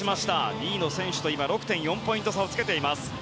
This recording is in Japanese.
２位の選手と６．４ポイント差をつけています。